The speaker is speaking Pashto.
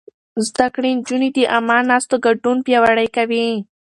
زده کړې نجونې د عامه ناستو ګډون پياوړی کوي.